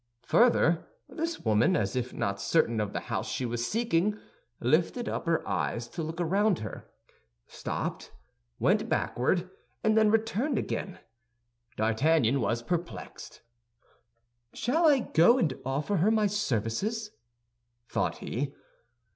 Further, this woman, as if not certain of the house she was seeking, lifted up her eyes to look around her, stopped, went backward, and then returned again. D'Artagnan was perplexed. "Shall I go and offer her my services?" thought he.